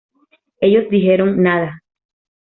Ellos dijeron: Nada.